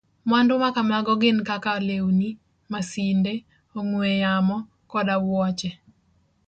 Mwandu makamago gin kaka lewni, masinde, ong'we yamo, koda wuoche.